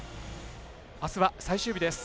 あすは最終日です。